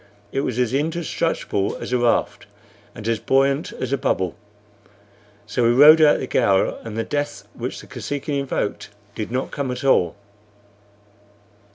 It was an indestructible as a raft and as buoyant as a bubble; so we rode out the gale, and the death which the Kosekin invoked did not come at all.